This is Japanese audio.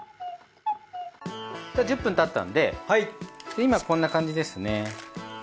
１０分経ったんで今こんな感じですね。